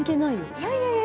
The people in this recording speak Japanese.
いやいやいや。